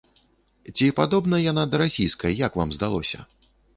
Ці падобна яна да расійскай, як вам здалося?